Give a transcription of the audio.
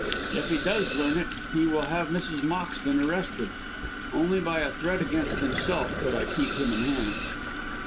If he does learn it he will have Mrs. Moxton arrested. Only by a threat against himself could I keep him in hand."